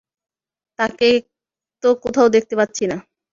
তাকে তো কোথাও দেখতে পাচ্ছি না।